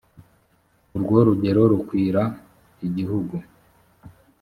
urwo rugero rukwira igihugu